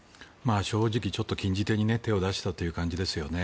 正直、ちょっと禁じ手に手を出したという感じですよね。